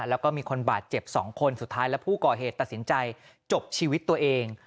แล้วก็มีคนบาดเจ็บ๒คนสุดท้ายแล้วผู้ก่อเหตุตัดสินใจจบชีวิตตัวเอง